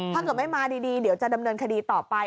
ถ้าเกิดไม่มาดีเดี๋ยวจะดำเนินคดีต่อไป